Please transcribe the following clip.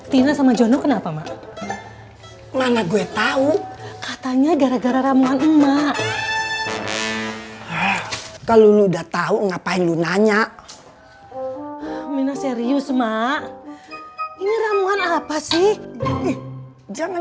tina sama jono kenapa mana gue tahu katanya gara gara ramuan emak kalau udah tahu ngapain lu nanya